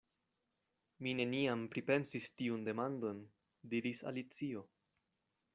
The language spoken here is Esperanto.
"Mi neniam pripensis tiun demandon," diris Alicio.